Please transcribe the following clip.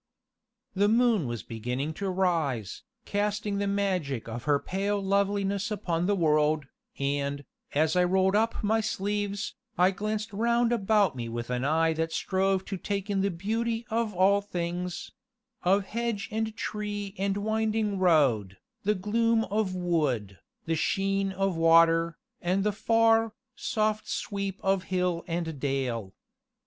The moon was beginning to rise, casting the magic of her pale loveliness upon the world, and, as I rolled up my sleeves, I glanced round about me with an eye that strove to take in the beauty of all things of hedge and tree and winding road, the gloom of wood, the sheen of water, and the far, soft sweep of hill and dale.